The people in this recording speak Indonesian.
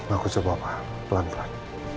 aku coba pelan pelan